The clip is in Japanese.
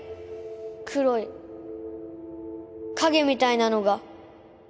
黒い影みたいなのが